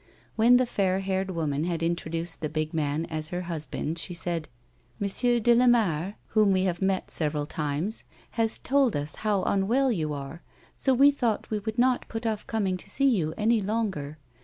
When the fair haired woman had introduced the big man as her husband, she said :" M. de Lamare, whom we have met several times, has told us how unwell you are, so we thought we would not put off coming to see you any longer.